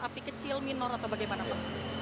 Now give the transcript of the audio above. api kecil minor atau bagaimana pak